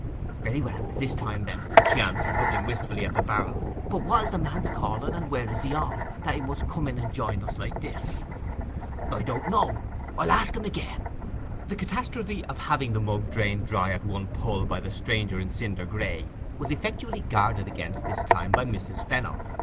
'Very well—this time, then,' she answered, looking wistfully at the barrel. 'But what is the man's calling, and where is he one of; that he should come in and join us like this?' 'I don't know. I'll ask him again.' The catastrophe of having the mug drained dry at one pull by the stranger in cinder gray was effectually guarded against this time by Mrs. Fennel.